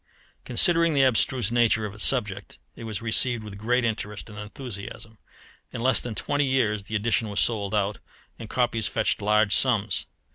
Considering the abstruse nature of its subject, it was received with great interest and enthusiasm. In less than twenty years the edition was sold out, and copies fetched large sums.